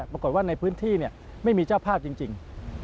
ปรากฏว่าในพื้นที่ไม่มีเจ้าภาพจริง